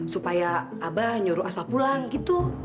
supaya abah nyuruh asma pulang gitu